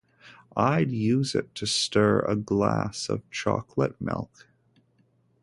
I’d use it to stir a glass of chocolate milk.